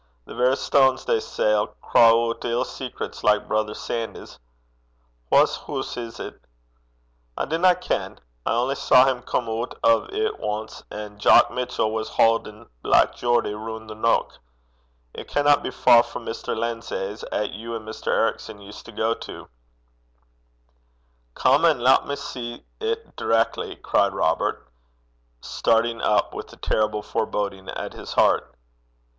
The verra stanes they say 'ill cry oot ill secrets like brither Sandy's.' 'Whase hoose is 't?' 'I dinna ken. I only saw him come oot o' 't ance, an' Jock Mitchell was haudin' Black Geordie roon' the neuk. It canna be far frae Mr. Lindsay's 'at you an' Mr. Ericson used to gang till.' 'Come an' lat me see 't direckly,' cried Robert, starting up, with a terrible foreboding at his heart.